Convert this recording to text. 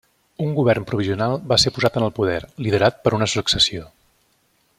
Un govern provisional va ser posat en el poder, liderat per una successió.